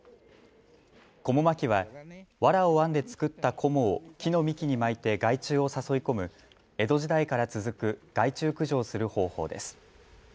こも巻きはわらを編んで作ったこもを木の幹に巻いて害虫を誘い込む江戸時代から続く害虫駆除をする方法です。